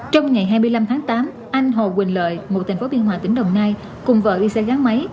trong ngày hai mươi năm tháng tám anh hồ quỳnh lợi ngụ thành phố biên hòa tỉnh đồng nai cùng vợ đi xe gắn máy